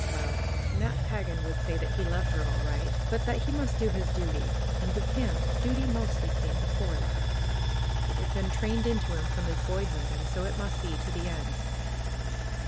Well, Nat Pagan would say that he loved her, all right; but that he must do his duty. And with him, duty mostly came before love. It had been trained into him from his boyhood, and so it must be to the end.